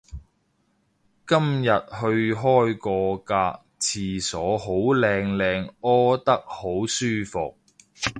今日去開嗰格廁所好靚靚屙得好舒服